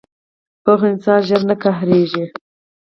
پوخ انسان ژر نه قهرېږي